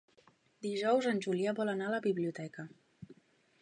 Dijous en Julià vol anar a la biblioteca.